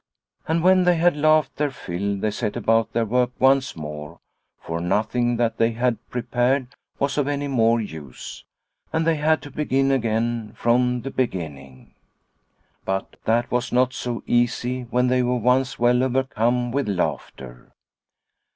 And when they had laughed their fill they set about their work once more, for nothing that they had prepared was of any more use, and they had to begin again from the beginning. 92 Liliecrona's Home But that was not so easy when they were once well overcome with laughter.